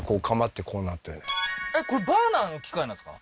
これバーナーの機械なんですか？